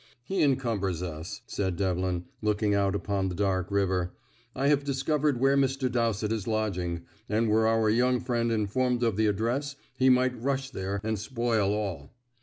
"He encumbers us," said Devlin, looking out upon the dark river. "I have discovered where Mr. Dowsett is lodging, and were our young friend informed of the address he might rush there, and spoil all.